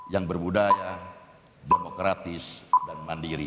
yang berbudaya demokratis dan mandiri